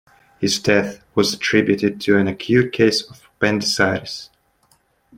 His death was attributed to an acute case of appendicitis.